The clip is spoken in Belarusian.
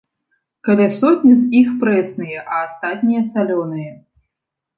Каля сотні з іх прэсныя, а астатнія салёныя.